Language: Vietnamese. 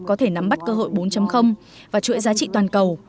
có thể nắm bắt cơ hội bốn và chuỗi giá trị toàn cầu